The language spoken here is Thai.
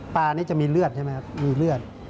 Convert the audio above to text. นี้จะมีเลือดใช่ไหมครับมีเลือด